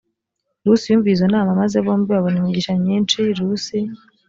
rusi yumviye izo nama maze bombi babona imigisha myinshi rusi